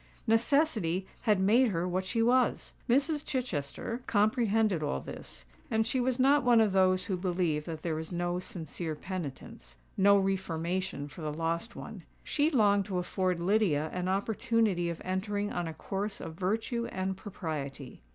Necessity had made her what she was! Mrs. Chichester comprehended all this; and she was not one of those who believe that there is no sincere penitence—no reformation for the lost one. She longed to afford Lydia an opportunity of entering on a course of virtue and propriety.